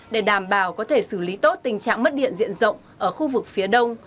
để đảm bảo có thể xử lý tốt tình trạng mất điện diện rộng ở khu vực phía đông